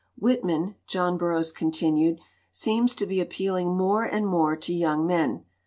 "Whitman," John Burroughs continued, "seems to be appealing more and more to young men.